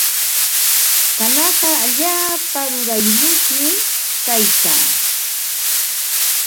Kanaqa allaapa rurayyuqmi kaykaa.